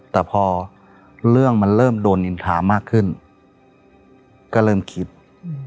แต่พอเรื่องมันเริ่มโดนนินทามากขึ้นก็เริ่มคิด